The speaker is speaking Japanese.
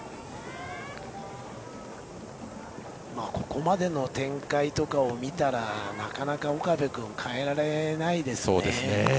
ここまでの展開とかを見たらなかなか岡部君を代えられないですね。